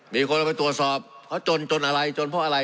มีคนเอาไปตรวจสอบเขาจนจนอะไรจนเพราะอะไร